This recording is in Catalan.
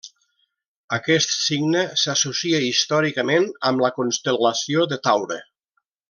Aquest signe s'associa històricament amb la constel·lació de Taure.